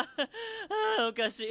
ああおかしっ。